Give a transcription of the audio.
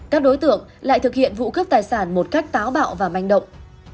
các đối tượng lại thực hiện vụ cướp tài sản một cách táo bạo và manh động